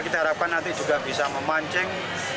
kita harapkan nanti juga bisa memancing